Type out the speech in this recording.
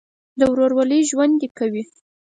د ورورولۍ ژوند دې کوي.